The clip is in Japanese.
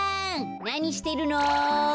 なにしてるの？